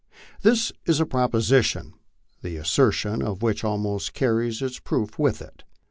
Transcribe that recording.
This is a proposition, the assertion of which almost carries its proof with it.